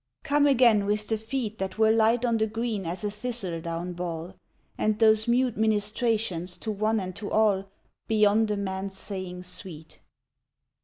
Come again, with the feet That were light on the green as a thistledown ball, And those mute ministrations to one and to all Beyond a man's saying sweet.